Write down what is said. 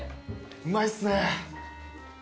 うまいっすね。